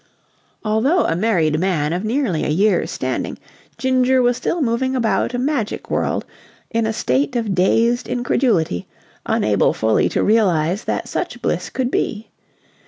Although a married man of nearly a year's standing, Ginger was still moving about a magic world in a state of dazed incredulity, unable fully to realize that such bliss could be.